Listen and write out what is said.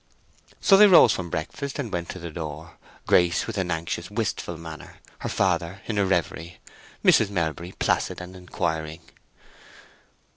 So they rose from breakfast and went to the door, Grace with an anxious, wistful manner, her father in a reverie, Mrs. Melbury placid and inquiring.